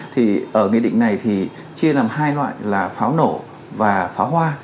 thì ở nghị định này thì chia làm hai loại là pháo nổ và pháo hoa